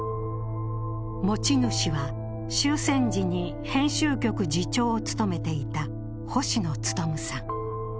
持ち主は、終戦時に編集局次長を務めていた星野力さん。